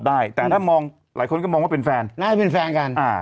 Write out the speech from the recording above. ได้แต่ถ้ามองหลายคนก็มองว่าเป็นแฟนน่าจะเป็นแฟนกันอ่า